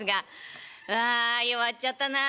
「あ弱っちゃったな。